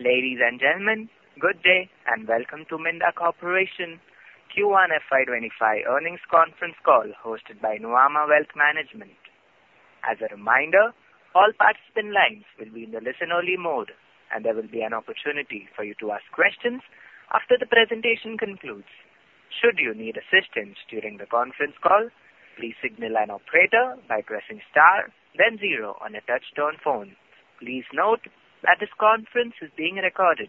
Ladies and gentlemen, good day and welcome to Minda Corporation Q1 FY25 earnings conference call hosted by Nuvama Wealth Management. As a reminder, all participant lines will be in the listen-only mode, and there will be an opportunity for you to ask questions after the presentation concludes. Should you need assistance during the conference call, please signal an operator by pressing star, then zero on a touch-tone phone. Please note that this conference is being recorded.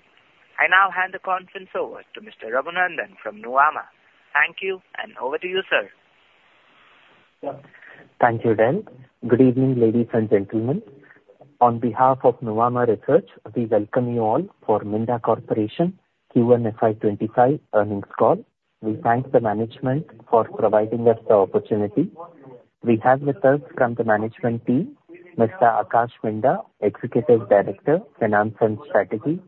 I now hand the conference over to Mr. Raghunandan from Nuvama. Thank you, and over to you, sir. Thank you, Den. Good evening, ladies and gentlemen. On behalf of Nuvama Wealth Management, we welcome you all for Minda Corporation Q1 FY25 earnings call. We thank the management for providing us the opportunity. We have with us from the management team, Mr. Akash Minda, Executive Director, Finance and Strategy,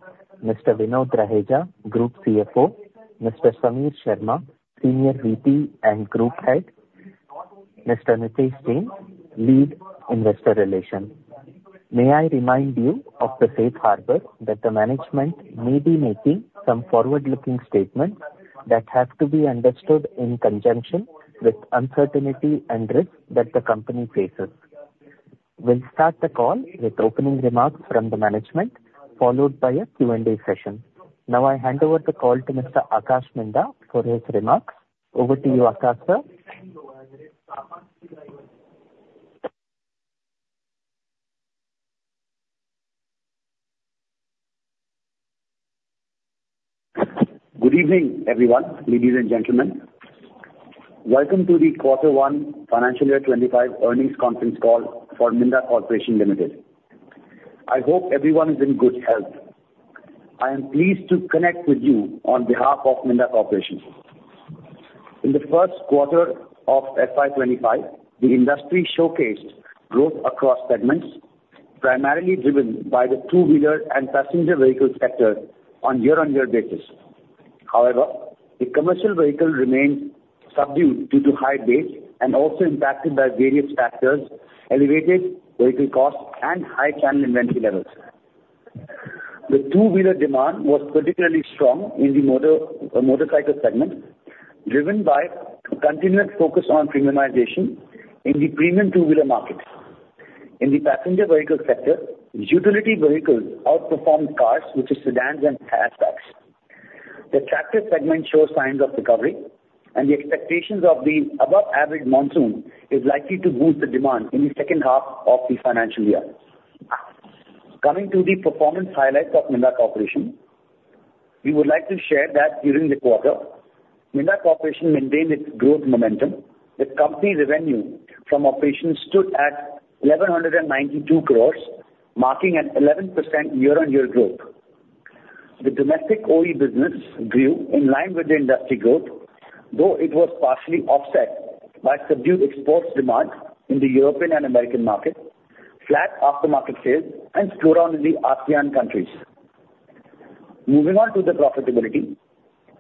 Mr. Vinod Raheja, Group CFO, Mr. Samir Sharma, Senior VP and Group Head, Mr. Nitish Jain, Lead Investor Relations. May I remind you of the safe harbor that the management may be making some forward-looking statements that have to be understood in conjunction with uncertainty and risk that the company faces. We'll start the call with opening remarks from the management, followed by a Q&A session. Now, I hand over the call to Mr. Akash Minda for his remarks. Over to you, Akash, sir. Good evening, everyone, ladies and gentlemen. Welcome to the Q1 FY25 earnings conference call for Minda Corporation Limited. I hope everyone is in good health. I am pleased to connect with you on behalf of Minda Corporation. In the first quarter of FY25, the industry showcased growth across segments, primarily driven by the two-wheeler and passenger vehicle sector on year-on-year basis. However, the commercial vehicle remained subdued due to high base and also impacted by various factors: elevated vehicle costs and high channel inventory levels. The two-wheeler demand was particularly strong in the motorcycle segment, driven by continued focus on premiumization in the premium two-wheeler market. In the passenger vehicle sector, utility vehicles outperformed cars, which are sedans and hatchbacks. The tractor segment shows signs of recovery, and the expectations of the above-average monsoon are likely to boost the demand in the second half of the financial year. Coming to the performance highlights of Minda Corporation, we would like to share that during the quarter, Minda Corporation maintained its growth momentum, with company revenue from operations stood at 1,192 crores, marking an 11% year-over-year growth. The domestic OE business grew in line with the industry growth, though it was partially offset by subdued export demand in the European and American markets, flat aftermarket sales, and slowdown in the ASEAN countries. Moving on to the profitability,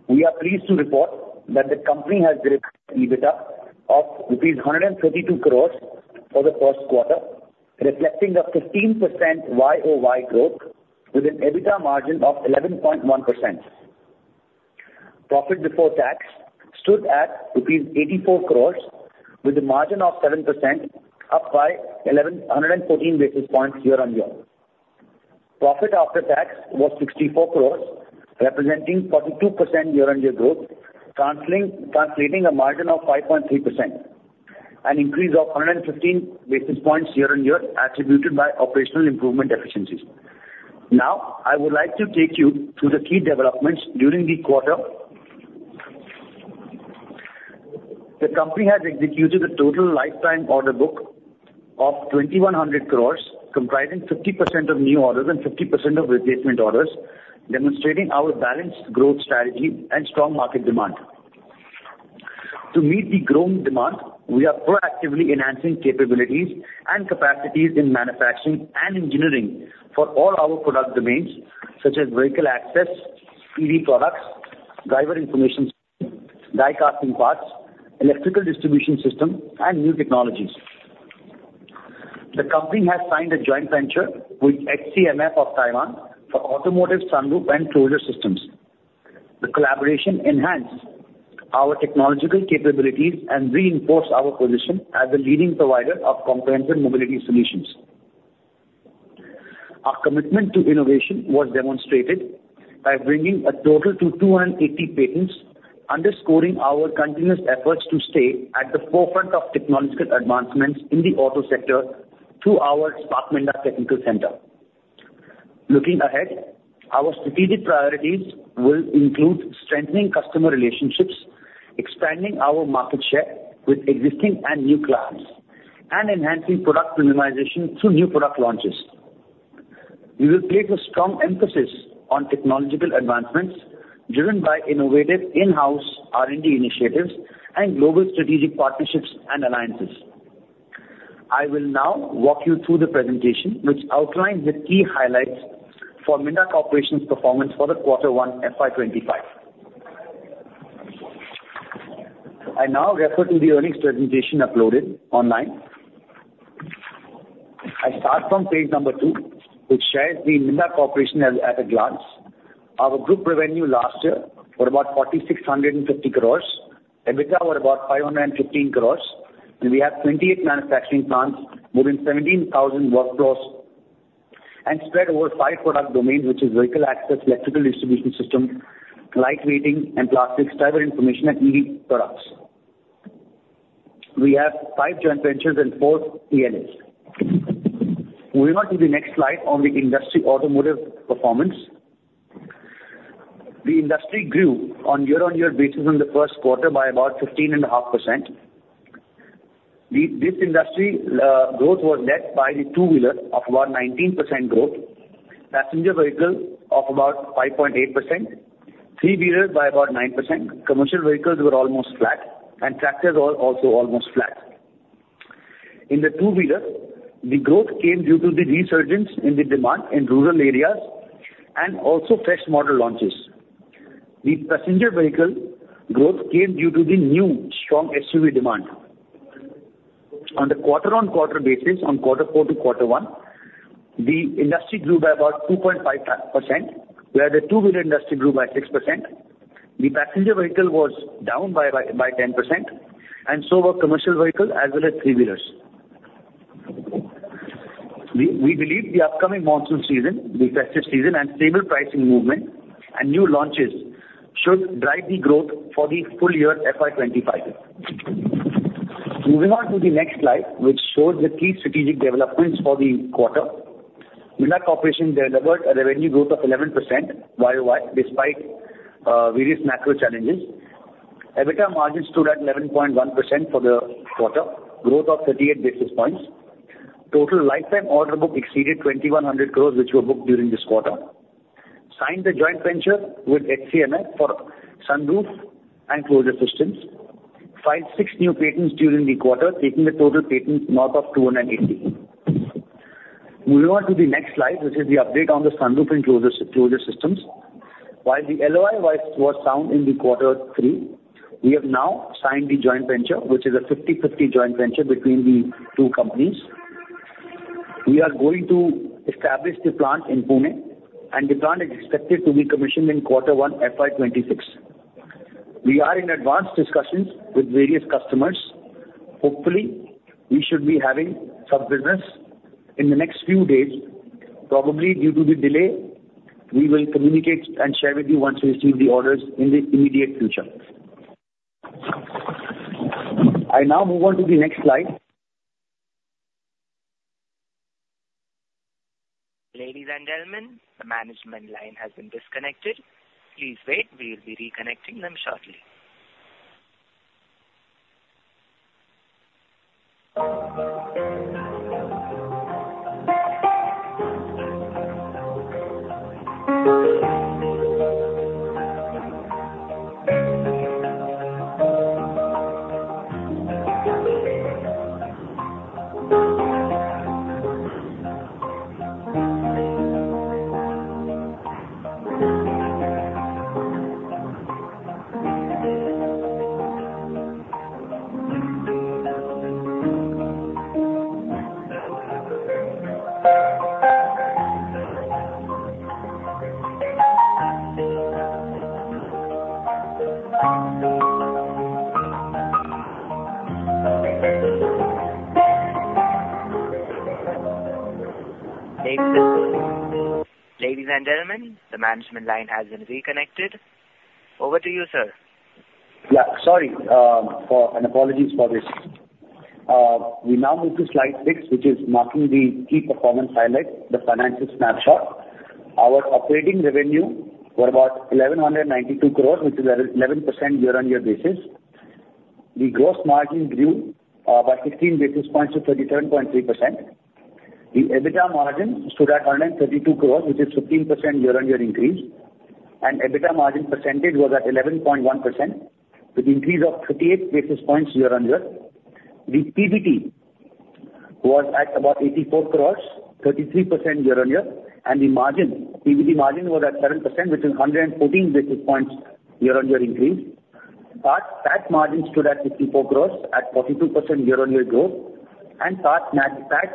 we are pleased to report that the company has delivered EBITDA of rupees 132 crores for the first quarter, reflecting a 15% YOY growth with an EBITDA margin of 11.1%. Profit before tax stood at rupees 84 crores, with a margin of 7%, up by 114 basis points year-over-year. Profit after tax was 64 crores, representing 42% year-over-year growth, translating a margin of 5.3%. An increase of 115 basis points year-on-year attributed by operational improvement efficiencies. Now, I would like to take you through the key developments during the quarter. The company has executed a total lifetime order book of 2,100 crores, comprising 50% of new orders and 50% of replacement orders, demonstrating our balanced growth strategy and strong market demand. To meet the growing demand, we are proactively enhancing capabilities and capacities in manufacturing and engineering for all our product domains, such as vehicle access, EV products, driver information systems, die-casting parts, electrical distribution systems, and new technologies. The company has signed a joint venture with HCMF of Taiwan for automotive sunroof and closure systems. The collaboration enhances our technological capabilities and reinforces our position as a leading provider of comprehensive mobility solutions. Our commitment to innovation was demonstrated by bringing a total to 280 patents, underscoring our continuous efforts to stay at the forefront of technological advancements in the auto sector through our Spark Minda Technical Center. Looking ahead, our strategic priorities will include strengthening customer relationships, expanding our market share with existing and new clients, and enhancing product premiumization through new product launches. We will place a strong emphasis on technological advancements driven by innovative in-house R&D initiatives and global strategic partnerships and alliances. I will now walk you through the presentation, which outlines the key highlights for Minda Corporation's performance for the Q1 FY25. I now refer to the earnings presentation uploaded online. I start from page number 2, which shares the Minda Corporation at a glance. Our group revenue last year was about 4,650 crores, EBITDA was about 515 crores, and we have 28 manufacturing plants, more than 17,000 workf, and spread over five product domains, which are vehicle access, electrical distribution system, light weighting, and plastics, driver information, and EV products. We have five joint ventures and four P&Ls. Moving on to the next slide on the industry automotive performance. The industry grew on year-on-year basis in the first quarter by about 15.5%. This industry growth was led by the two-wheeler of about 19% growth, passenger vehicle of about 5.8%, three-wheeler by about 9%, commercial vehicles were almost flat, and tractors were also almost flat. In the two-wheeler, the growth came due to the resurgence in the demand in rural areas and also fresh model launches. The passenger vehicle growth came due to the new strong SUV demand. On the quarter-on-quarter basis, on quarter four to quarter one, the industry grew by about 2.5%, where the two-wheeler industry grew by 6%. The passenger vehicle was down by 10%, and so were commercial vehicles as well as three-wheelers. We believe the upcoming monsoon season, the festive season, and stable pricing movement and new launches should drive the growth for the full year FY 2025. Moving on to the next slide, which shows the key strategic developments for the quarter. Minda Corporation delivered a revenue growth of 11% YOY despite various macro challenges. EBITDA margin stood at 11.1% for the quarter, growth of 38 basis points. Total lifetime order book exceeded 2,100 crores, which were booked during this quarter. Signed the joint venture with HCMF for sunroof and closure systems. Filed six new patents during the quarter, taking the total patent north of 280. Moving on to the next slide, which is the update on the sunroof and closure systems. While the LOI was found in quarter three, we have now signed the joint venture, which is a 50/50 joint venture between the two companies. We are going to establish the plant in Pune, and the plant is expected to be commissioned in quarter one FY26. We are in advanced discussions with various customers. Hopefully, we should be having some business in the next few days. Probably due to the delay, we will communicate and share with you once we receive the orders in the immediate future. I now move on to the next slide. Ladies and gentlemen, the management line has been disconnected. Please wait. We will be reconnecting them shortly. Ladies and gentlemen, the management line has been reconnected. Over to you, sir. Yeah, sorry for and apologies for this. We now move to slide 6, which is marking the key performance highlights, the financial snapshot. Our operating revenue was about 1,192 crores, which is an 11% year-on-year basis. The gross margin grew by 15 basis points to 37.3%. The EBITDA margin stood at 132 crores, which is a 15% year-on-year increase. And EBITDA margin percentage was at 11.1%, with an increase of 38 basis points year-on-year. The PBT was at about 84 crores, 33% year-on-year. And the margin, PBT margin was at 7%, which is a 114 basis points year-on-year increase. PAT margin stood at 54 crores, at 42% year-on-year growth. And PAT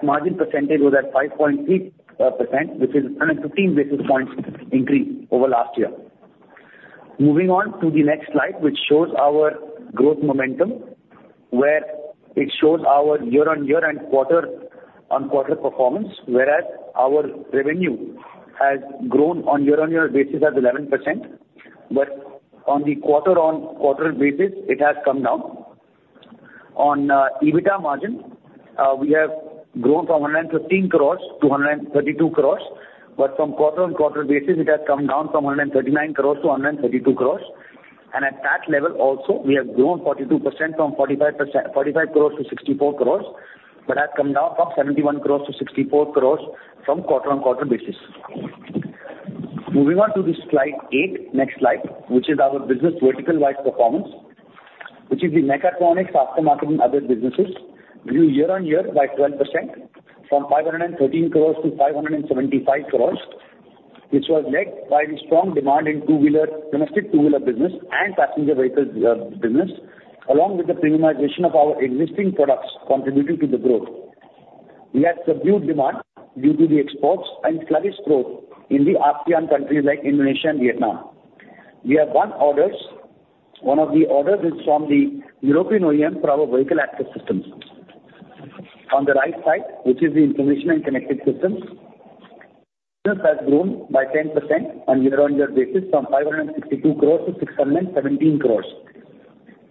margin percentage was at 5.3%, which is a 115 basis points increase over last year. Moving on to the next slide, which shows our growth momentum, where it shows our year-on-year and quarter-on-quarter performance, whereas our revenue has grown on a year-on-year basis at 11%. But on the quarter-on-quarter basis, it has come down. On EBITDA margin, we have grown from 115 crores to 132 crores. But from quarter-on-quarter basis, it has come down from 139 crores to 132 crores. And at that level also, we have grown 42% from 45 crores to 64 crores, but have come down from 71 crores to 64 crores from quarter-on-quarter basis. Moving on to the slide 8, next slide, which is our business vertical-wise performance, which is the mechatronics, aftermarket, and other businesses grew year-on-year by 12% from 513 crores to 575 crores, which was led by the strong demand in domestic two-wheeler business and passenger vehicle business, along with the premiumization of our existing products contributing to the growth. We had subdued demand due to the exports and flourished growth in the ASEAN countries like Indonesia and Vietnam. We have won orders. One of the orders is from the European OEM for our vehicle access systems. On the right side, which is the information and connected systems, business has grown by 10% on a year-on-year basis from 562 crores to 617 crores.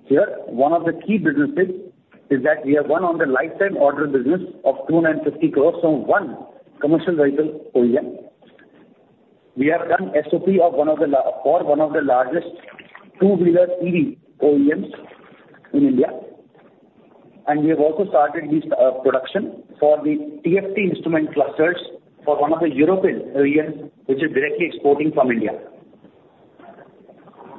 Here, one of the key businesses is that we have won on the lifetime order business of 250 crores from one commercial vehicle OEM. We have done SOP for one of the largest two-wheeler EV OEMs in India. We have also started this production for the TFT instrument clusters for one of the European OEMs, which is directly exporting from India.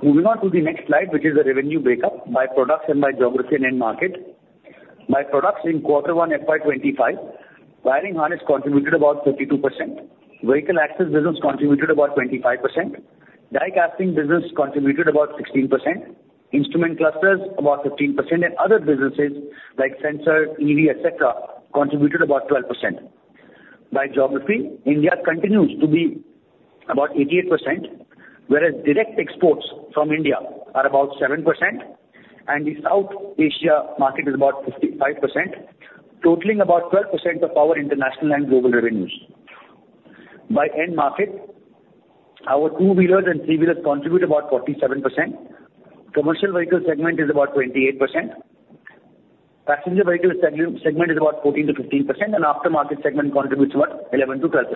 Moving on to the next slide, which is the revenue breakup by products and by geography and end market. By products in quarter one FY25, wiring harness contributed about 32%, vehicle access business contributed about 25%, die-casting business contributed about 16%, instrument clusters about 15%, and other businesses like sensors, EV, etc., contributed about 12%. By geography, India continues to be about 88%, whereas direct exports from India are about 7%, and the South Asia market is about 5%, totaling about 12% of our international and global revenues. By end market, our two-wheelers and three-wheelers contribute about 47%. Commercial vehicle segment is about 28%. Passenger vehicle segment is about 14%-15%, and aftermarket segment contributes about 11%-12%.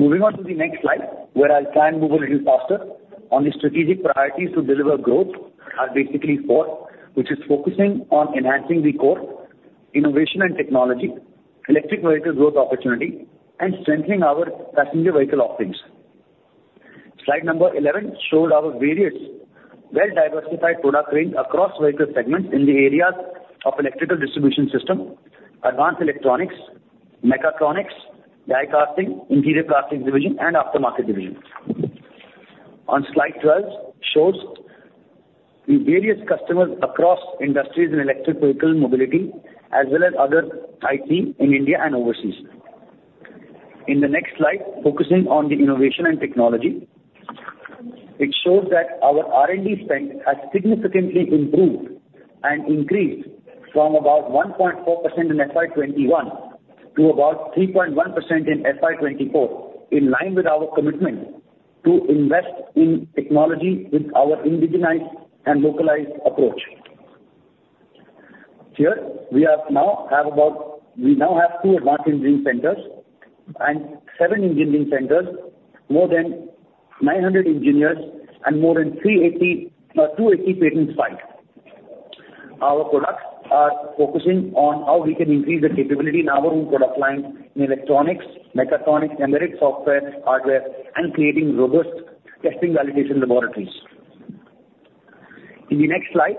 Moving on to the next slide, where I'll try and move a little faster on the strategic priorities to deliver growth. Are basically four, which is focusing on enhancing the core innovation and technology, electric vehicle growth opportunity, and strengthening our passenger vehicle offerings. Slide number 11 showed our various well-diversified product range across vehicle segments in the areas of electrical distribution system, advanced electronics, mechatronics, die-casting, interior plastics division, and aftermarket division. On slide 12 shows the various customers across industries in electric vehicle mobility, as well as other IT in India and overseas. In the next slide, focusing on the innovation and technology, it shows that our R&D spend has significantly improved and increased from about 1.4% in FY21 to about 3.1% in FY24, in line with our commitment to invest in technology with our indigenized and localized approach. Here, we now have two advanced engineering centers and seven engineering centers, more than 900 engineers, and more than 280 patent files. Our products are focusing on how we can increase the capability in our own product line in electronics, mechatronics, embedded software, hardware, and creating robust testing validation laboratories. In the next slide,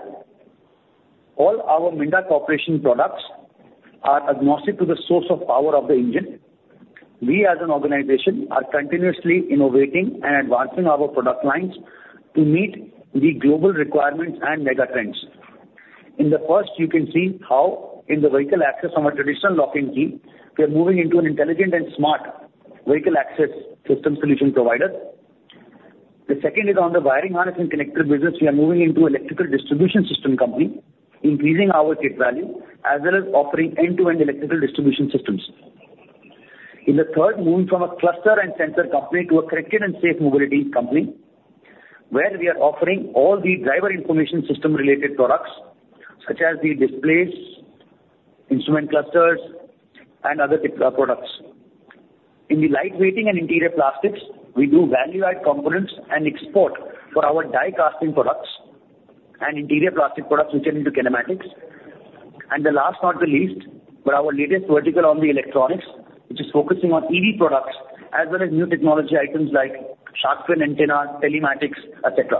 all our Minda Corporation products are agnostic to the source of power of the engine. We, as an organization, are continuously innovating and advancing our product lines to meet the global requirements and mega trends. In the first, you can see how in the vehicle access from a traditional lock and key, we are moving into an intelligent and smart vehicle access system solution provider. The second is on the wiring harness and connected business. We are moving into an electrical distribution system company, increasing our kit value, as well as offering end-to-end electrical distribution systems. In the third, moving from a cluster and sensor company to a connected and safe mobility company, where we are offering all the driver information system-related products, such as the displays, instrument clusters, and other products. In the light weighting and interior plastics, we do value-add components and export for our die-casting products and interior plastic products, which are into kinematics. And the last, not the least, for our latest vertical on the electronics, which is focusing on EV products, as well as new technology items like shark fin antenna, telematics, etc.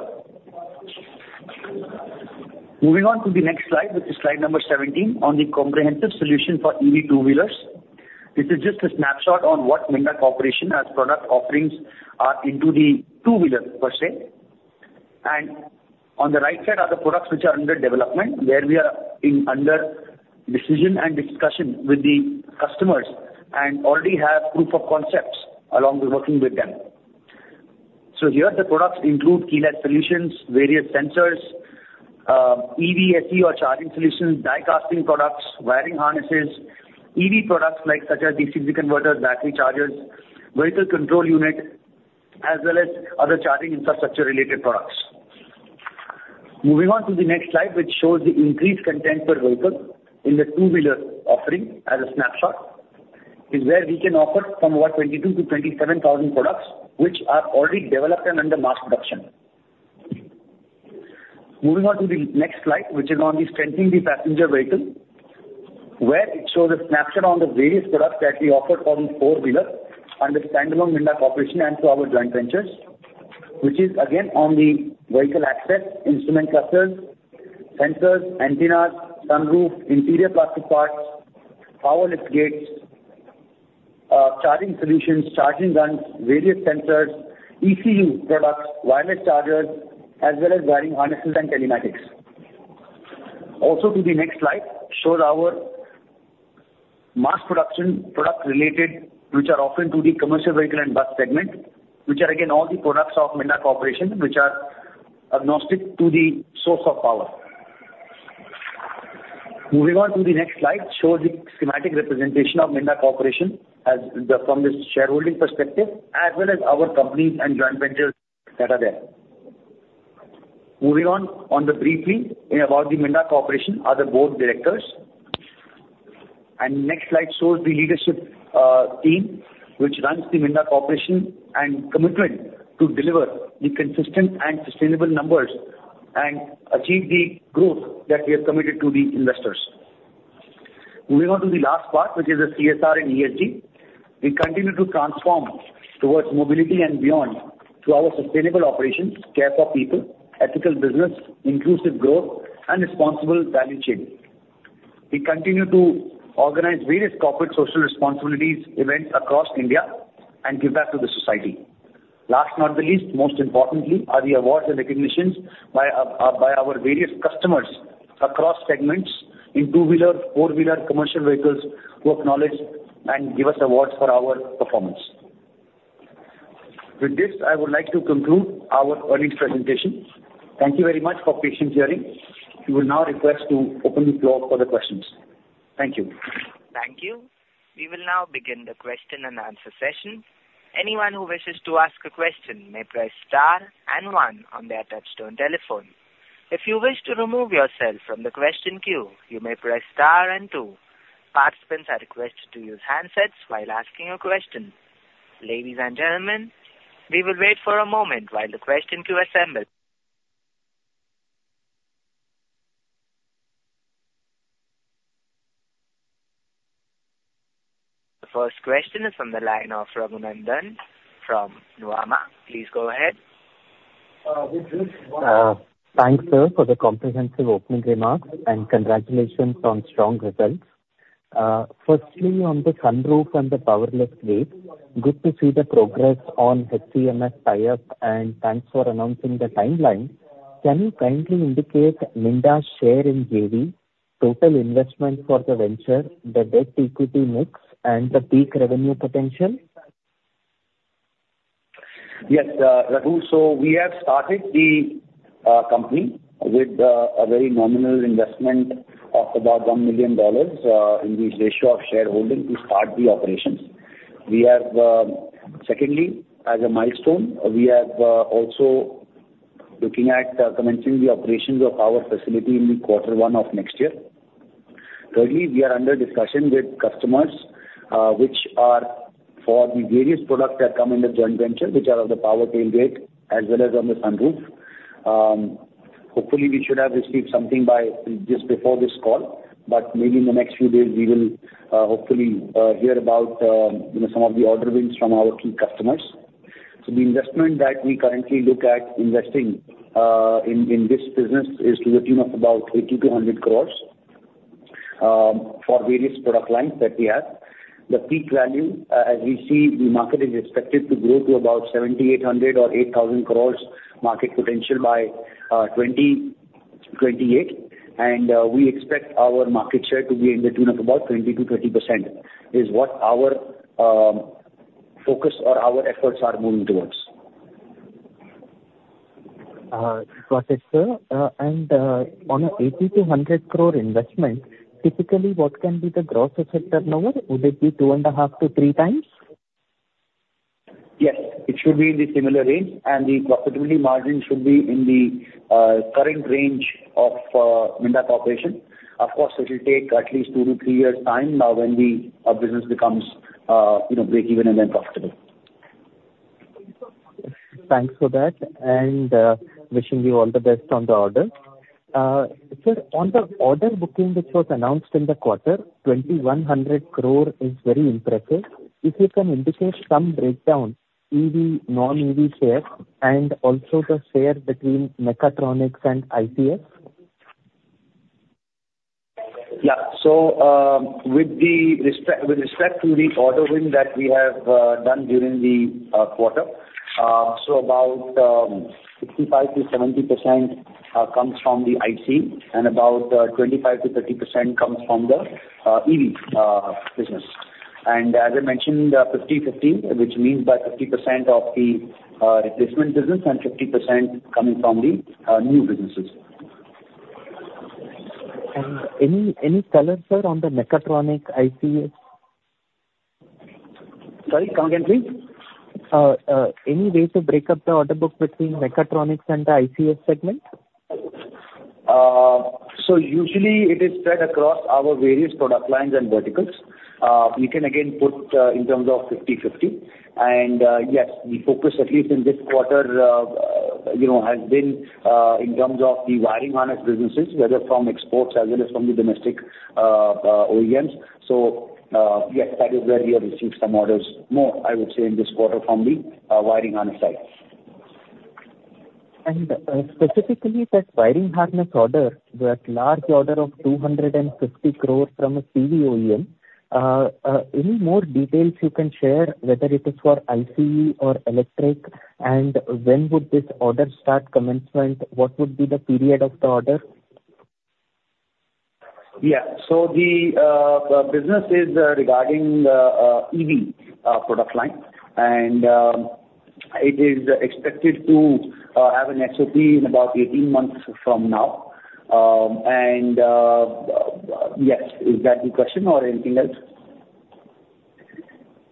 Moving on to the next slide, which is slide number 17, on the comprehensive solution for EV two-wheelers. This is just a snapshot on what Minda Corporation as product offerings are into the two-wheeler, per se. And on the right side are the products which are under development, where we are under decision and discussion with the customers and already have proof of concepts along with working with them. So here, the products include keyless solutions, various sensors, EVSE or charging solutions, die-casting products, wiring harnesses, EV products like such as DC-DC converters, battery chargers, vehicle control unit, as well as other charging infrastructure-related products. Moving on to the next slide, which shows the increased content per vehicle in the two-wheeler offering as a snapshot, is where we can offer from about 22,000-27,000 products, which are already developed and under mass production. Moving on to the next slide, which is on the strengthening the passenger vehicle, where it shows a snapshot on the various products that we offer for the four-wheeler under standalone Minda Corporation and to our joint ventures, which is again on the vehicle access, instrument clusters, sensors, antennas, sunroof, interior plastic parts, power liftgates, charging solutions, charging guns, various sensors, ECU products, wireless chargers, as well as wiring harnesses and telematics. Also to the next slide shows our mass production products related, which are offered to the commercial vehicle and bus segment, which are again all the products of Minda Corporation, which are agnostic to the source of power. Moving on to the next slide shows the schematic representation of Minda Corporation from the shareholding perspective, as well as our companies and joint ventures that are there. Moving on briefly about the Minda Corporation, other board directors. Next slide shows the leadership team, which runs the Minda Corporation and commitment to deliver the consistent and sustainable numbers and achieve the growth that we have committed to the investors. Moving on to the last part, which is the CSR and ESG. We continue to transform towards mobility and beyond to our sustainable operations, care for people, ethical business, inclusive growth, and responsible value chain. We continue to organize various corporate social responsibilities events across India and give back to the society. Last but not the least, most importantly, are the awards and recognitions by our various customers across segments in two-wheeler, four-wheeler, commercial vehicles who acknowledge and give us awards for our performance. With this, I would like to conclude our earnings presentation. Thank you very much for patient hearing. We will now request to open the floor for the questions. Thank you. Thank you. We will now begin the question and answer session. Anyone who wishes to ask a question may press star and one on their touch-tone telephone. If you wish to remove yourself from the question queue, you may press star and two. Participants are requested to use handsets while asking a question. Ladies and gentlemen, we will wait for a moment while the question queue assembles. The first question is from the line of Raghunandan from Nuvama. Please go ahead. Thank you for the comprehensive opening remarks and congratulations on strong results. Firstly, on the sunroof and the power liftgate, good to see the progress on HCMF tie-up, and thanks for announcing the timeline. Can you kindly indicate Minda's share in JV, total investment for the venture, the debt equity mix, and the peak revenue potential? Yes, Raghun. So we have started the company with a very nominal investment of about $1 million in the ratio of shareholding to start the operations. Secondly, as a milestone, we are also looking at commencing the operations of our facility in the quarter one of next year. Thirdly, we are under discussion with customers, which are for the various products that come in the joint venture, which are on the power tailgate as well as on the sunroof. Hopefully, we should have received something just before this call, but maybe in the next few days, we will hopefully hear about some of the order wins from our key customers. So the investment that we currently look at investing in this business is to the tune of about 8,200 crores for various product lines that we have. The peak value, as we see, the market is expected to grow to about 7,800 crore or 8,000 crore market potential by 2028, and we expect our market share to be in the tune of about 20%-30% is what our focus or our efforts are moving towards. Processor, and on an 8,200 crore investment, typically, what can be the gross effect turnover? Would it be 2.5-3 times? Yes, it should be in the similar range, and the profitability margin should be in the current range of Minda Corporation. Of course, it will take at least 2-3 years' time now when the business becomes break-even and then profitable. Thanks for that, and wishing you all the best on the orders. On the order booking which was announced in the quarter, 2,100 crore is very impressive. If you can indicate some breakdown, EV, non-EV shares, and also the shares between mechatronics and ITS? Yeah. So with respect to the order win that we have done during the quarter, so about 65%-70% comes from the IT, and about 25%-30% comes from the EV business. And as I mentioned, 50/50, which means by 50% of the replacement business and 50% coming from the new businesses. Any color, sir, on the mechatronic ITS? Sorry, come again, please? Any way to break up the order book between mechatronics and the ITS segment? So usually, it is spread across our various product lines and verticals. We can again put in terms of 50/50. And yes, the focus at least in this quarter has been in terms of the wiring harness businesses, whether from exports as well as from the domestic OEMs. So yes, that is where we have received some orders more, I would say, in this quarter from the wiring harness side. Specifically, that wiring harness order, that large order of 250 crore from a CV OEM, any more details you can share, whether it is for ICE or electric, and when would this order start commencement? What would be the period of the order? Yeah. So the business is regarding the EV product line, and it is expected to have an SOP in about 18 months from now. And yes, is that the question or anything else?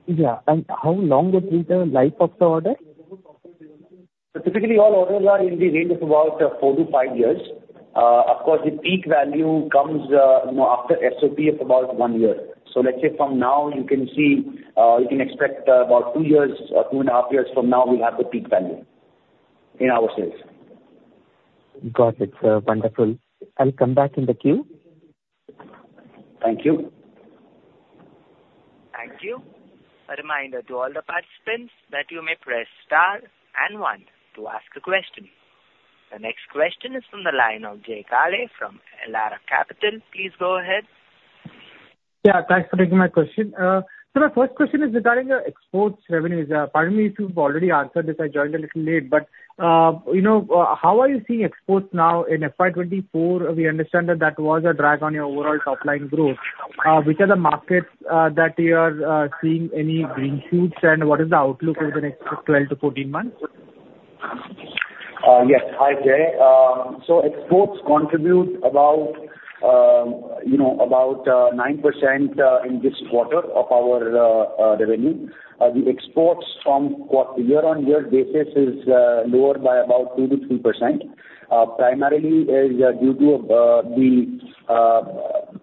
Yeah. And how long would be the life of the order? Typically, all orders are in the range of about 4-5 years. Of course, the peak value comes after SOP of about 1 year. So let's say from now, you can see you can expect about 2 years, 2.5 years from now, we'll have the peak value in our sales. Got it. Wonderful. I'll come back in the queue. Thank you. Thank you. A reminder to all the participants that you may press star and one to ask a question. The next question is from the line of Jay Agarwal from Elara Capital. Please go ahead. Yeah. Thanks for taking my question. So my first question is regarding the exports revenues. Pardon me if you've already answered this. I joined a little late, but how are you seeing exports now in FY 2024? We understand that that was a drag on your overall top-line growth. Which are the markets that you are seeing any green shoots, and what is the outlook over the next 12-14 months? Yes. Hi, Jay. So exports contribute about 9% in this quarter of our revenue. The exports from year-on-year basis is lower by about 2%-3%. Primarily, it is due to the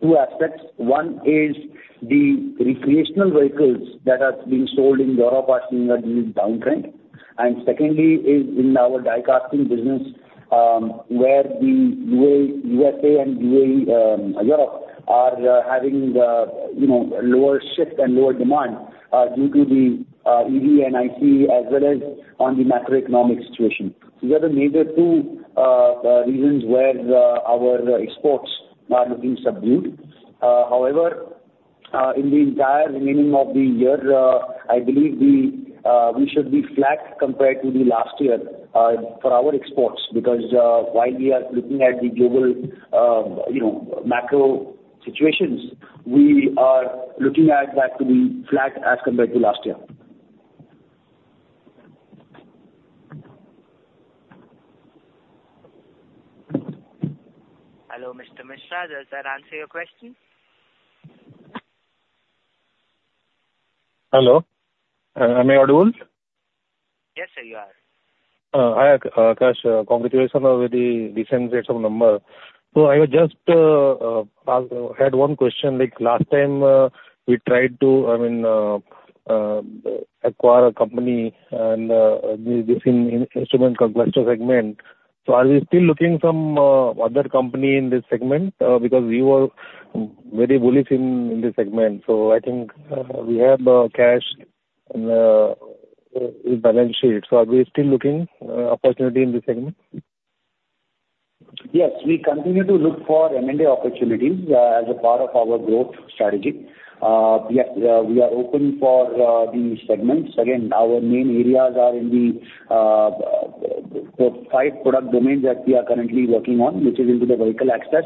two aspects. One is the recreational vehicles that are being sold in Europe are seeing a downtrend. And secondly is in our die-casting business, where the USA and Europe are having lower shift and lower demand due to the EV and ICE, as well as on the macroeconomic situation. These are the major two reasons where our exports are looking subdued. However, in the entire remaining of the year, I believe we should be flat compared to the last year for our exports because while we are looking at the global macro situations, we are looking at that to be flat as compared to last year. Hello, Mr. Mishra. Does that answer your question? Hello. Am I audible? Yes, sir, you are. Hi, Akash. Congratulations on the recent quarter's numbers. So I just had one question. Last time, we tried to acquire a company in the instrument cluster segment. So are we still looking for other companies in this segment? Because we were very bullish in this segment. So I think we have cash in the balance sheet. So are we still looking for opportunity in this segment? Yes. We continue to look for M&A opportunities as a part of our growth strategy. Yes, we are open for these segments. Again, our main areas are in the five product domains that we are currently working on, which is into the vehicle access.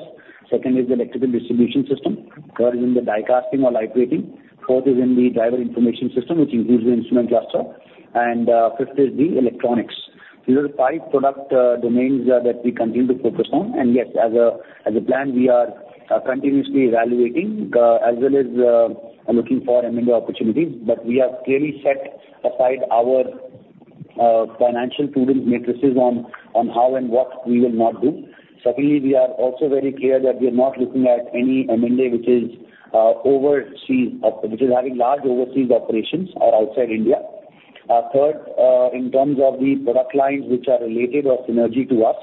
Second is the electrical distribution system. Third is in the die-casting or lightweighting. Fourth is in the driver information system, which includes the instrument cluster. And fifth is the electronics. These are the five product domains that we continue to focus on. And yes, as a plan, we are continuously evaluating as well as looking for M&A opportunities, but we have clearly set aside our financial proven matrices on how and what we will not do. Secondly, we are also very clear that we are not looking at any M&A which is having large overseas operations or outside India. Third, in terms of the product lines which are related or synergy to us.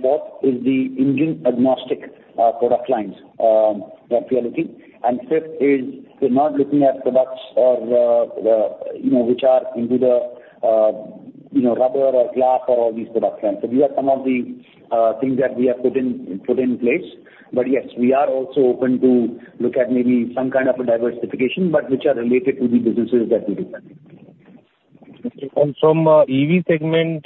Fourth is the engine agnostic product lines that we are looking. Fifth is we're not looking at products which are into the rubber or glass or all these product lines. So these are some of the things that we have put in place. But yes, we are also open to look at maybe some kind of a diversification, but which are related to the businesses that we do. From EV segment,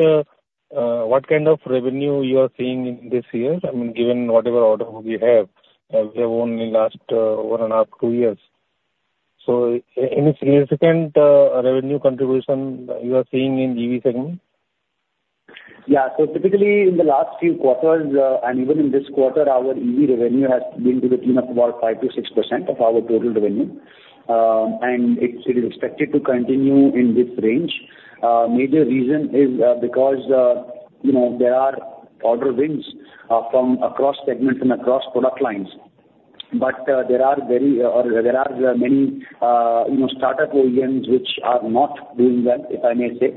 what kind of revenue you are seeing this year? I mean, given whatever order we have, we have only last 1.5-2 years. So any significant revenue contribution you are seeing in EV segment? Yeah. So typically, in the last few quarters, and even in this quarter, our EV revenue has been to the tune of about 5%-6% of our total revenue. And it is expected to continue in this range. Major reason is because there are order wins from across segments and across product lines. But there are many startup OEMs which are not doing well, if I may say,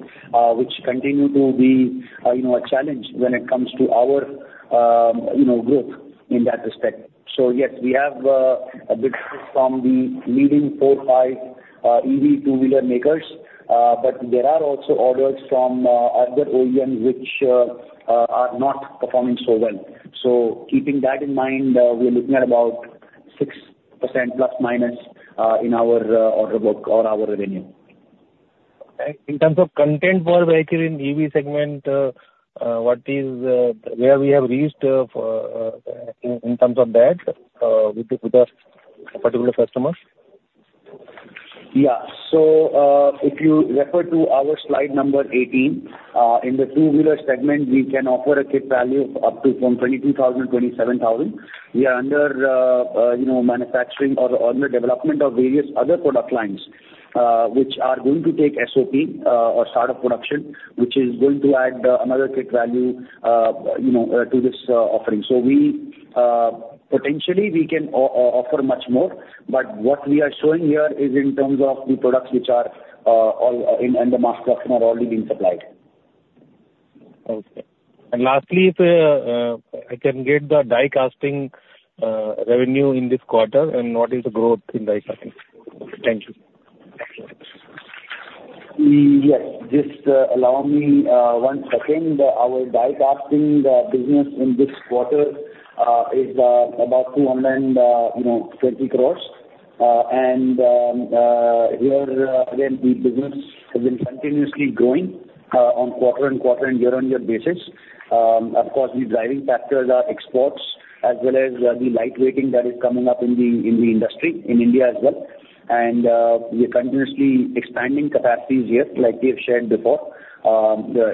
which continue to be a challenge when it comes to our growth in that respect. So yes, we have a bit from the leading four, five EV two-wheeler makers, but there are also orders from other OEMs which are not performing so well. So keeping that in mind, we're looking at about 6% plus minus in our order book or our revenue. In terms of content for vehicle in EV segment, what is where we have reached in terms of that with the particular customers? Yeah. So if you refer to our slide number 18, in the two-wheeler segment, we can offer a kit value of up to from 22,000-27,000. We are under manufacturing or on the development of various other product lines which are going to take SOP or startup production, which is going to add another kit value to this offering. So potentially, we can offer much more, but what we are showing here is in terms of the products which are in the mass production are already being supplied. Okay. Lastly, if I can get the die-casting revenue in this quarter, and what is the growth in die-casting? Thank you. Yes. Just allow me 1 second. Our die-casting business in this quarter is about 220 crore. And here, again, the business has been continuously growing on quarter and quarter and year-on-year basis. Of course, the driving factors are exports as well as the lightweighting that is coming up in the industry in India as well. And we are continuously expanding capacities here, like we have shared before,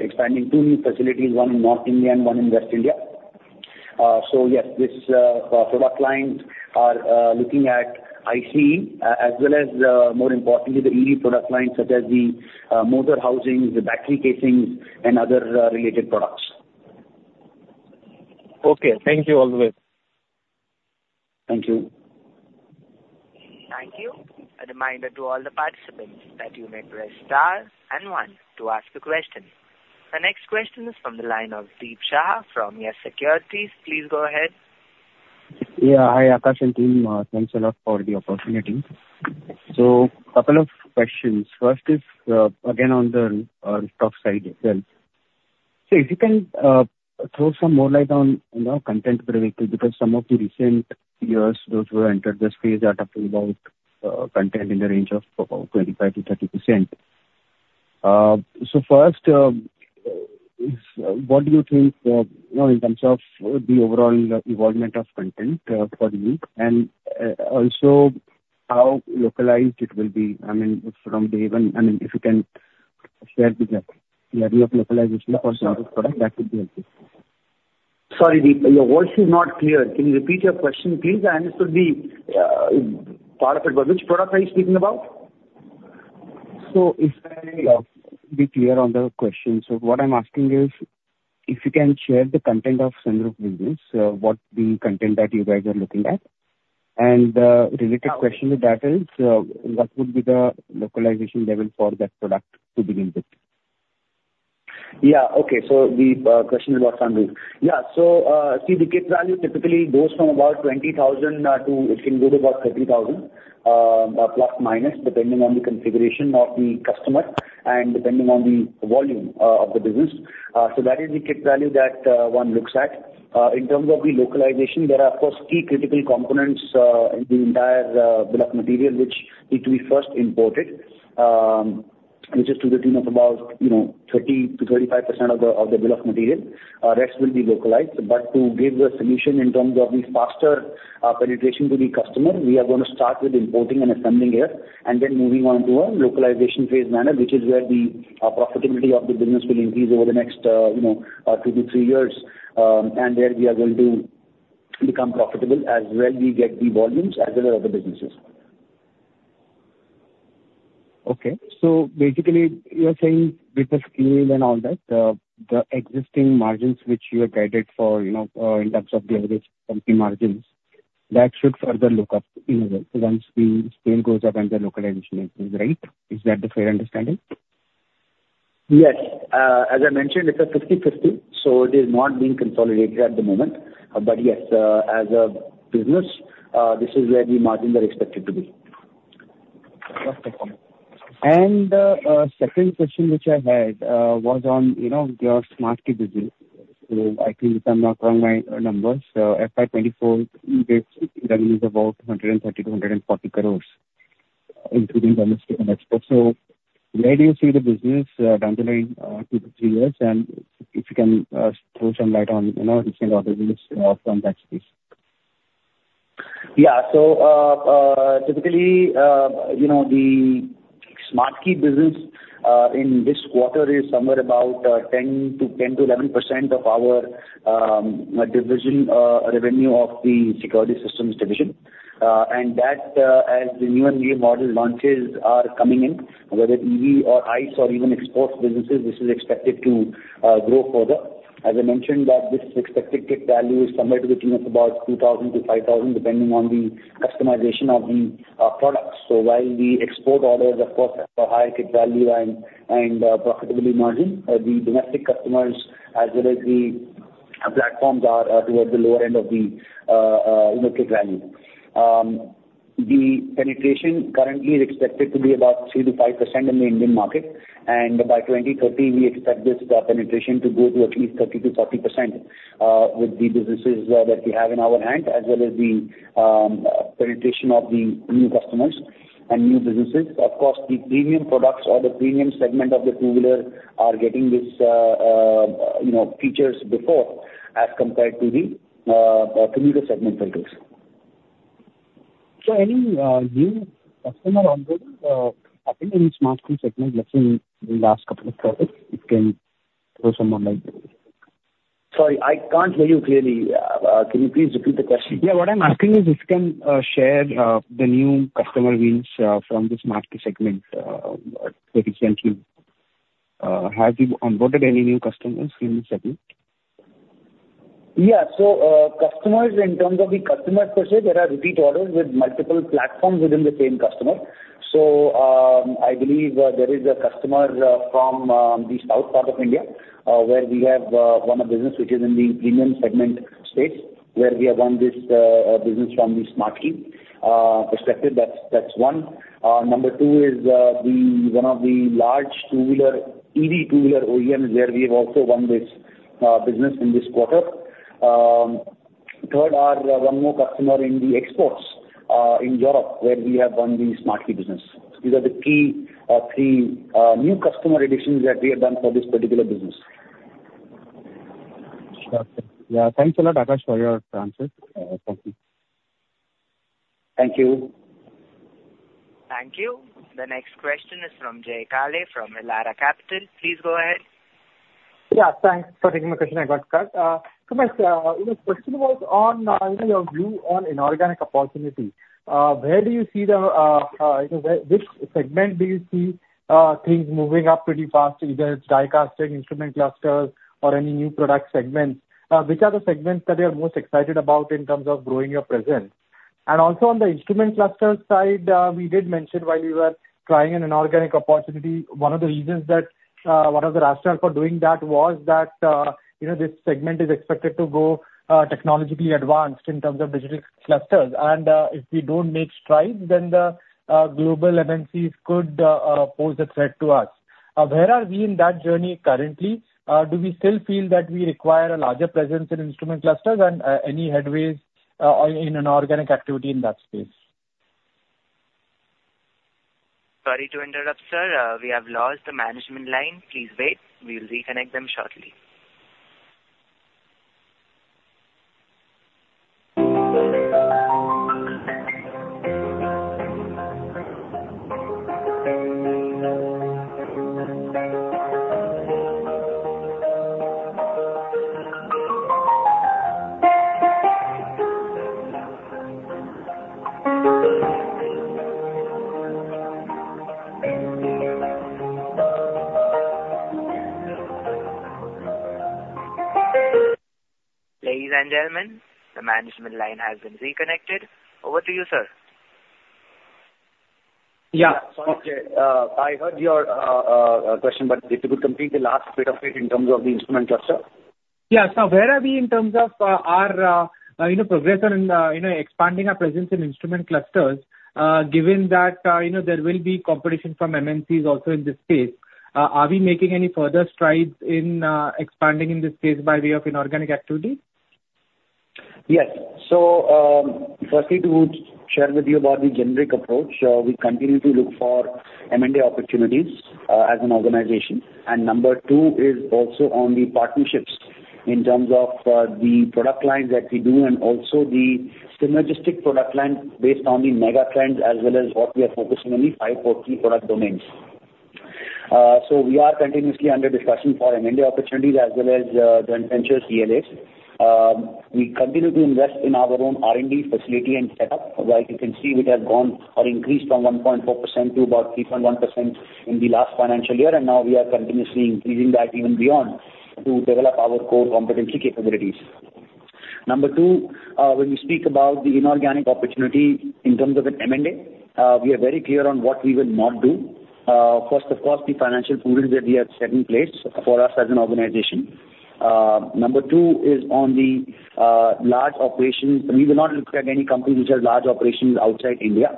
expanding 2 new facilities, 1 in North India and 1 in West India. So yes, this product line is looking at ICE as well as, more importantly, the EV product line, such as the motor housings, the battery casings, and other related products. Okay. Thank you all the way. Thank you. Thank you. A reminder to all the participants that you may press star and one to ask a question. The next question is from the line of Deep Shah from YES SECURITIES. Please go ahead. Yeah. Hi, Akash and team. Thanks a lot for the opportunity. So a couple of questions. First is, again, on the top side itself. So if you can throw some more light on content per vehicle because some of the recent years those who have entered the space are talking about content in the range of about 25%-30%. So first, what do you think in terms of the overall involvement of content for you? And also, how localized it will be? I mean, from day one, I mean, if you can share the level of localization for some of the products, that would be helpful. Sorry, your voice is not clear. Can you repeat your question? Please answer the part of it. Which product are you speaking about? If I be clear on the question. What I'm asking is, if you can share the content of some of the business, what the content that you guys are looking at. The related question to that is, what would be the localization level for that product to begin with? Yeah. Okay. So the question about funding. Yeah. So see, the kit value typically goes from about 20,000 to it can go to about 30,000 ±, depending on the configuration of the customer and depending on the volume of the business. So that is the kit value that one looks at. In terms of the localization, there are, of course, key critical components in the entire bill of material which need to be first imported, which is to the tune of about 30%-35% of the bill of material. The rest will be localized. To give the solution in terms of the faster penetration to the customer, we are going to start with importing and assembling here, and then moving on to a localization phase manual, which is where the profitability of the business will increase over the next 2-3 years, and where we are going to become profitable as well as we get the volumes as well as other businesses. Okay. So basically, you're saying with the scale and all that, the existing margins which you are guided for in terms of the average company margins, that should further look up in a way once the scale goes up and the localization is right. Is that the fair understanding? Yes. As I mentioned, it's a 50/50. So it is not being consolidated at the moment. But yes, as a business, this is where the margins are expected to be. The second question which I had was on your smart kit business. I think if I'm not wrong, my numbers, FY 2024, this revenue is about INR 130-INR 140 crore, including domestic and exports. Where do you see the business down the line 2-3 years? If you can throw some light on recent order wins from that space. Yeah. So typically, the smart kit business in this quarter is somewhere about 10%-11% of our division revenue of the security systems division. And that, as the new and new model launches are coming in, whether EV or ICE or even export businesses, this is expected to grow further. As I mentioned, that this expected kit value is somewhere to the tune of about 2,000-5,000, depending on the customization of the products. So while the export orders, of course, have a higher kit value and profitability margin, the domestic customers, as well as the platforms, are towards the lower end of the kit value. The penetration currently is expected to be about 3%-5% in the Indian market. By 2030, we expect this penetration to go to at least 30%-40% with the businesses that we have in our hand, as well as the penetration of the new customers and new businesses. Of course, the premium products or the premium segment of the two-wheeler are getting these features before as compared to the commuter segment vendors. Any new customer onboarding happening in the smart kit segment, let's say in the last couple of quarters, if you can throw some more light? Sorry, I can't hear you clearly. Can you please repeat the question? Yeah. What I'm asking is, if you can share the new customer wins from the smart kit segment that you sent to me. Have you onboarded any new customers in this segment? Yeah. So customers, in terms of the customer per se, there are repeat orders with multiple platforms within the same customer. So I believe there is a customer from the south part of India where we have one business which is in the premium segment space, where we have won this business from the smart kit perspective. That's one. Number two is one of the large EV two-wheeler OEMs where we have also won this business in this quarter. Third, one more customer in the exports in Europe, where we have won the smart kit business. These are the key three new customer additions that we have done for this particular business. Got it. Yeah. Thanks a lot, Akash, for your answers. Thank you. Thank you. Thank you. The next question is from Jay Kale from Elara Capital. Please go ahead. Yeah. Thanks for taking my question. I got cut. So my question was on your view on inorganic opportunity. Where do you see which segment do you see things moving up pretty fast, either die-casting, instrument clusters, or any new product segments? Which are the segments that you are most excited about in terms of growing your presence? And also on the instrument cluster side, we did mention while we were trying an inorganic opportunity, one of the reasons that one of the rationales for doing that was that this segment is expected to go technologically advanced in terms of digital clusters. And if we don't make strides, then the global MNCs could pose a threat to us. Where are we in that journey currently? Do we still feel that we require a larger presence in instrument clusters and any headway in inorganic activity in that space? Sorry to interrupt, sir. We have lost the management line. Please wait. We'll reconnect them shortly. Ladies and gentlemen, the management line has been reconnected. Over to you, sir. Yeah. Sorry. I heard your question, but if you could complete the last bit of it in terms of the instrument cluster. Yeah. So where are we in terms of our progression in expanding our presence in instrument clusters, given that there will be competition from MNCs also in this space? Are we making any further strides in expanding in this space by way of inorganic activity? Yes. So firstly, to share with you about the generic approach, we continue to look for M&A opportunities as an organization. Number two is also on the partnerships in terms of the product lines that we do and also the synergistic product line based on the mega trends as well as what we are focusing on, the 543 product domains. So we are continuously under discussion for M&A opportunities as well as joint ventures TLAs. We continue to invest in our own R&D facility and setup. As you can see, we have gone or increased from 1.4% to about 3.1% in the last financial year. Now we are continuously increasing that even beyond to develop our core competency capabilities. Number two, when we speak about the inorganic opportunity in terms of an M&A, we are very clear on what we will not do. First, of course, the financial proof that we have set in place for us as an organization. Number two is on the large operations. We will not look at any companies which have large operations outside India.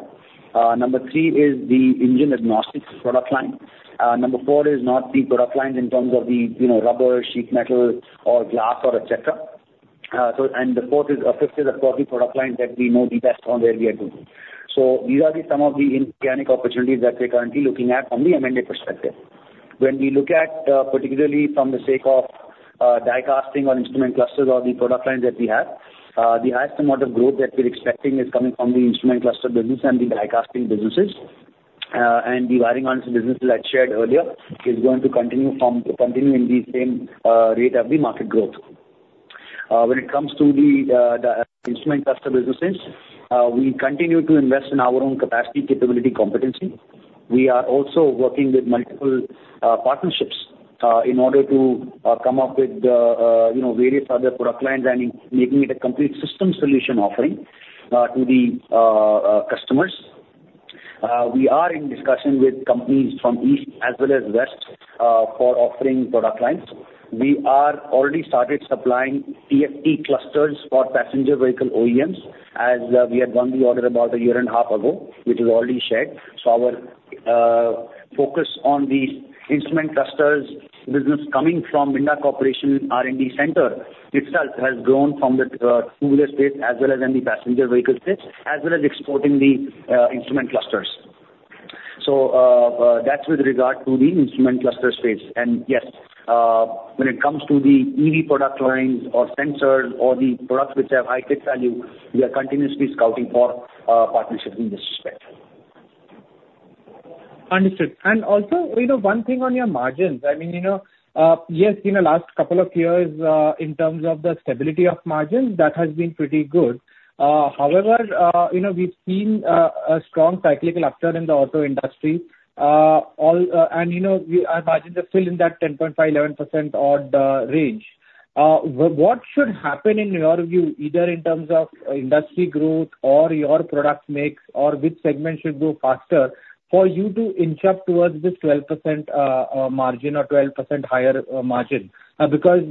Number three is the engine agnostic product line. Number four is not the product lines in terms of the rubber, sheet metal, or glass, or etc. And the fifth is, of course, the product line that we know the best on where we are doing. So these are some of the inorganic opportunities that we're currently looking at from the M&A perspective. When we look at, particularly from the sake of die-casting or instrument clusters or the product lines that we have, the highest amount of growth that we're expecting is coming from the instrument cluster business and the die-casting businesses. The wiring harness business that I shared earlier is going to continue in the same rate of the market growth. When it comes to the instrument cluster businesses, we continue to invest in our own capacity, capability, competency. We are also working with multiple partnerships in order to come up with various other product lines and making it a complete system solution offering to the customers. We are in discussion with companies from East as well as West for offering product lines. We have already started supplying TFT clusters for passenger vehicle OEMs as we had won the order about a year and a half ago, which was already shared. So our focus on the instrument clusters business coming from Minda Corporation R&D Center itself has grown from the two-wheeler space as well as in the passenger vehicle space, as well as exporting the instrument clusters. That's with regard to the instrument cluster space. Yes, when it comes to the EV product lines or sensors or the products which have high kit value, we are continuously scouting for partnerships in this respect. Understood. And also, one thing on your margins. I mean, yes, in the last couple of years, in terms of the stability of margins, that has been pretty good. However, we've seen a strong cyclical upturn in the auto industry. And our margins are still in that 10.5%, 11% odd range. What should happen in your view, either in terms of industry growth or your product mix or which segment should go faster for you to inch up towards this 12% margin or 12% higher margin? Because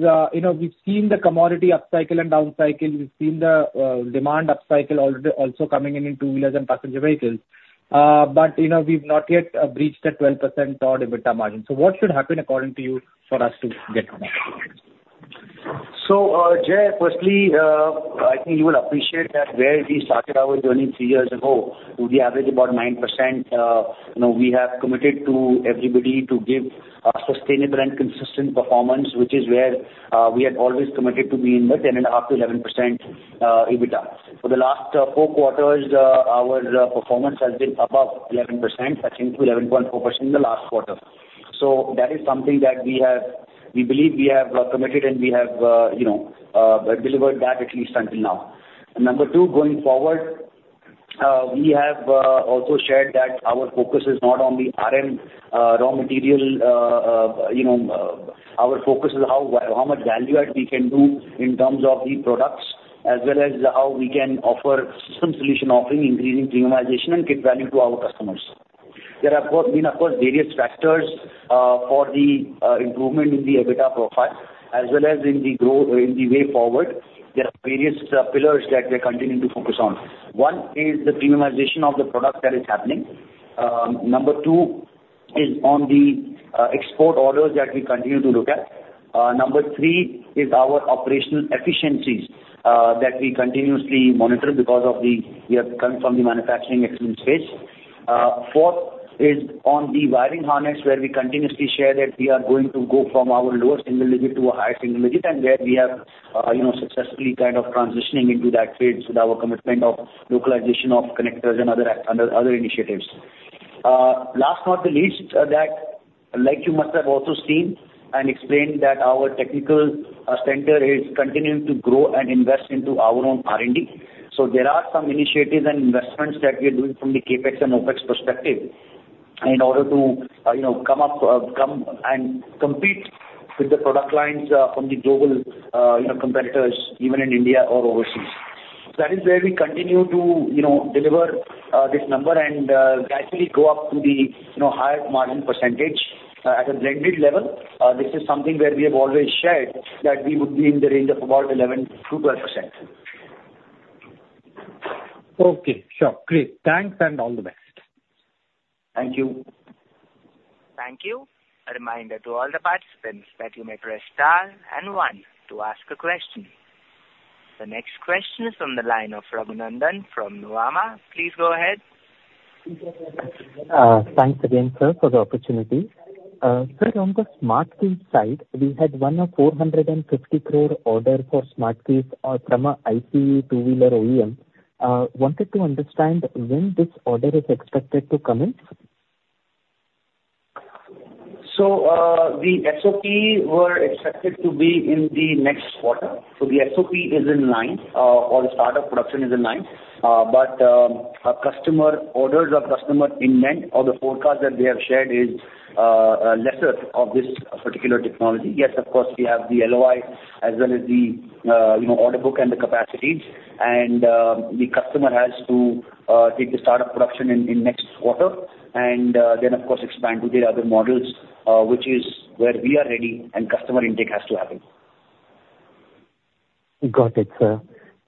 we've seen the commodity upcycle and downcycle. We've seen the demand upcycle also coming in in two-wheelers and passenger vehicles. But we've not yet breached that 12% odd EBITDA margin. So what should happen, according to you, for us to get to that? So Jay, firstly, I think you will appreciate that where we started our journey 3 years ago, we averaged about 9%. We have committed to everybody to give sustainable and consistent performance, which is where we have always committed to be in the 10.5%-11% EBITDA. For the last 4 quarters, our performance has been above 11%, I think 11.4% in the last quarter. So that is something that we believe we have committed and we have delivered that at least until now. Number two, going forward, we have also shared that our focus is not on the RM raw material. Our focus is how much value add we can do in terms of the products, as well as how we can offer some solution offering, increasing premiumization and kit value to our customers. There have been, of course, various factors for the improvement in the EBITDA profile, as well as in the way forward. There are various pillars that we are continuing to focus on. One is the premiumization of the product that is happening. Number two is on the export orders that we continue to look at. Number three is our operational efficiencies that we continuously monitor because we have come from the manufacturing excellence space. Fourth is on the wiring harness, where we continuously share that we are going to go from our lower single digit to a higher single digit, and where we have successfully kind of transitioning into that phase with our commitment of localization of connectors and other initiatives. Last but not the least, that, like you must have also seen and explained, that our technical center is continuing to grow and invest into our own R&D. So there are some initiatives and investments that we are doing from the CapEx and OpEx perspective in order to come up and compete with the product lines from the global competitors, even in India or overseas. That is where we continue to deliver this number and actually go up to the highest margin percentage at a blended level. This is something where we have always shared that we would be in the range of about 11%-12%. Okay. Sure. Great. Thanks and all the best. Thank you. Thank you. A reminder to all the participants that you may press star and one to ask a question. The next question is from the line of Raghunandan from Nuvama. Please go ahead. Thanks again, sir, for the opportunity. Sir, on the smart kit side, we had won a 450 crore order for smart kits from an ICE two-wheeler OEM. Wanted to understand when this order is expected to come in? So the SOP were expected to be in the next quarter. So the SOP is in line or the startup production is in line. But our customer orders or customer intent or the forecast that we have shared is lesser of this particular technology. Yes, of course, we have the LOI as well as the order book and the capacity. And the customer has to take the startup production in next quarter and then, of course, expand to the other models, which is where we are ready, and customer intake has to happen. Got it, sir.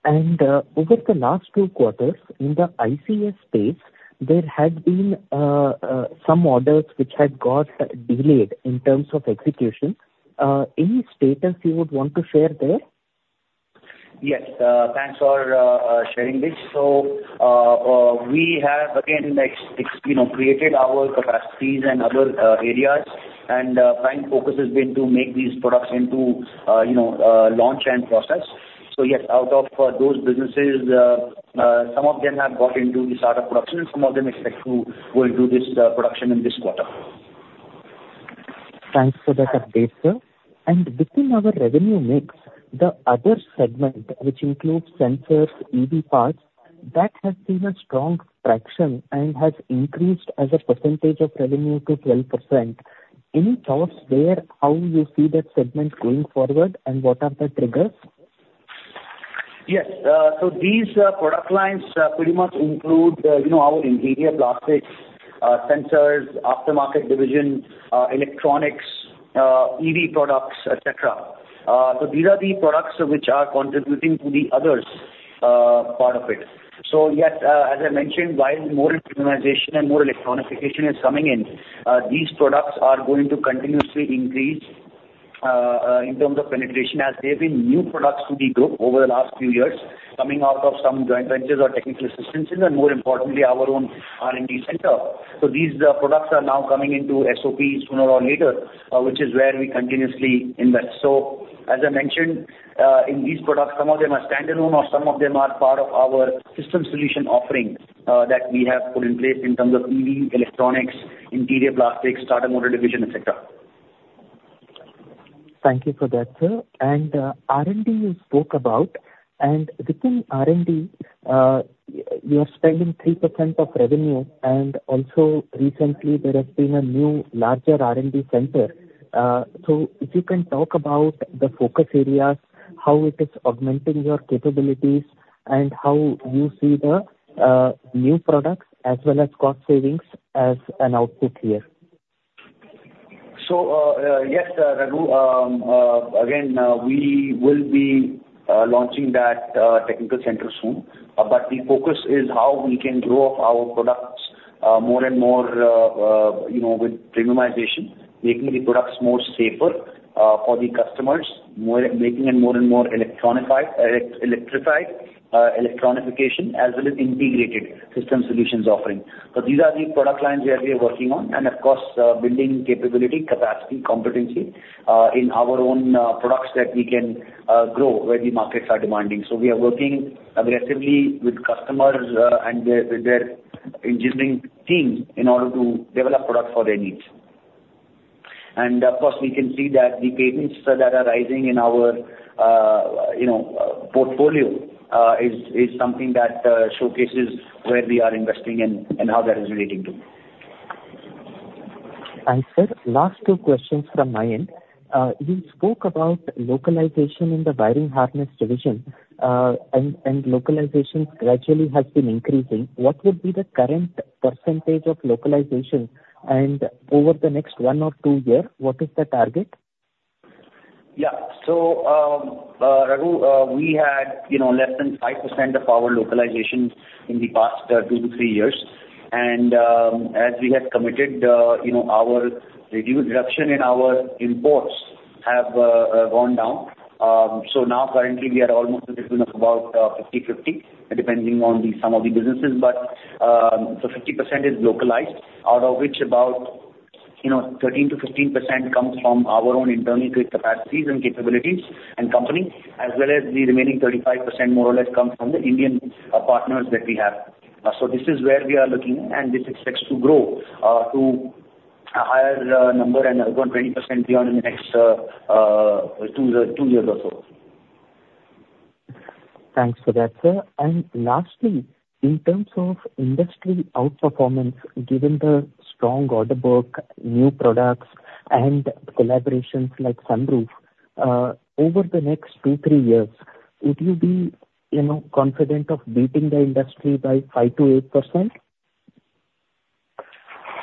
And over the last two quarters, in the ICS space, there had been some orders which had got delayed in terms of execution. Any status you would want to share there? Yes. Thanks for sharing this. So we have, again, created our capacities and other areas. The prime focus has been to make these products into launch and process. So yes, out of those businesses, some of them have got into the startup production, and some of them expect to go into this production in this quarter. Thanks for that update, sir. Within our revenue mix, the other segment, which includes sensors, EV parts, that has seen a strong traction and has increased as a percentage of revenue to 12%. Any thoughts there how you see that segment going forward and what are the triggers? Yes. So these product lines pretty much include our interior plastics, sensors, aftermarket division, electronics, EV products, etc. So these are the products which are contributing to the other parts of it. So yes, as I mentioned, while more innovation and more electrification is coming in, these products are going to continuously increase in terms of penetration as there have been new products to be built over the last few years coming out of some joint ventures or technical assistances, and more importantly, our own R&D center. So these products are now coming into SOP sooner or later, which is where we continuously invest. So as I mentioned, in these products, some of them are standalone or some of them are part of our system solution offering that we have put in place in terms of EV, electronics, interior plastics, starter motor division, etc. Thank you for that, sir. R&D you spoke about. Within R&D, you are spending 3% of revenue. Also, recently, there has been a new larger R&D center. So if you can talk about the focus areas, how it is augmenting your capabilities, and how you see the new products as well as cost savings as an output here. So yes, Raghu, again, we will be launching that technical center soon. But the focus is how we can grow our products more and more with premiumization, making the products more safer for the customers, making them more and more electrified, electronification, as well as integrated system solutions offering. So these are the product lines where we are working on and, of course, building capability, capacity, competency in our own products that we can grow where the markets are demanding. So we are working aggressively with customers and with their engineering teams in order to develop products for their needs. And of course, we can see that the cadence that is rising in our portfolio is something that showcases where we are investing and how that is relating to. Thanks, sir. Last two questions from my end. You spoke about localization in the wiring harness division, and localization gradually has been increasing. What would be the current percentage of localization? And over the next one or two years, what is the target? Yeah. So Raghu, we had less than 5% of our localization in the past 2-3 years. And as we have committed, our reduction in our imports has gone down. So now, currently, we are almost in between of about 50/50, depending on the sum of the businesses. But the 50% is localized, out of which about 13%-15% comes from our own internal capacities and capabilities and company, as well as the remaining 35%, more or less, comes from the Indian partners that we have. So this is where we are looking, and this expects to grow to a higher number and around 20% beyond in the next 2 years or so. Thanks for that, sir. Lastly, in terms of industry outperformance, given the strong order book, new products, and collaborations like Sunroof, over the next 2-3 years, would you be confident of beating the industry by 5%-8%?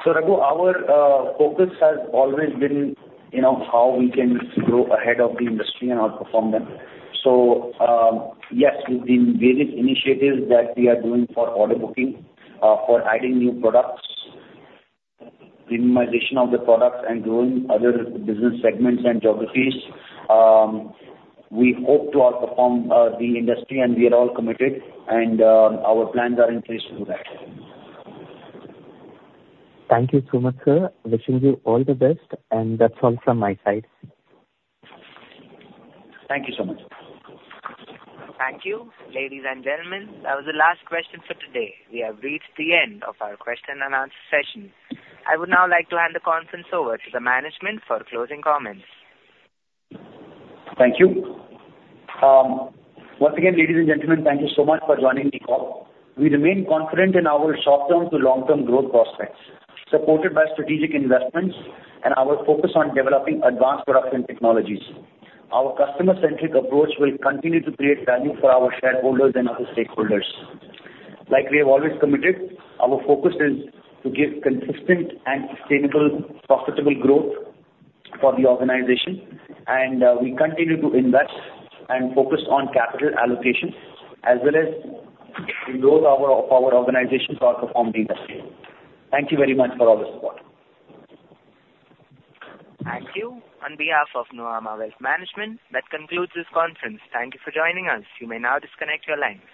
So Raghu, our focus has always been how we can grow ahead of the industry and outperform them. So yes, within various initiatives that we are doing for order booking, for adding new products, premiumization of the products, and growing other business segments and geographies, we hope to outperform the industry, and we are all committed, and our plans are in place to do that. Thank you so much, sir. Wishing you all the best. That's all from my side. Thank you so much. Thank you, ladies and gentlemen. That was the last question for today. We have reached the end of our question and answer session. I would now like to hand the conference over to the management for closing comments. Thank you. Once again, ladies and gentlemen, thank you so much for joining the call. We remain confident in our short-term to long-term growth prospects, supported by strategic investments and our focus on developing advanced production technologies. Our customer-centric approach will continue to create value for our shareholders and other stakeholders. Like we have always committed, our focus is to give consistent and sustainable, profitable growth for the organization. We continue to invest and focus on capital allocation, as well as the growth of our organization to outperform the industry. Thank you very much for all the support. Thank you. On behalf of Nuvama Wealth Management, that concludes this conference. Thank you for joining us. You may now disconnect your lines.